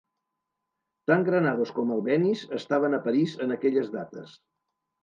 Tant Granados com Albéniz estaven a París en aquelles dates.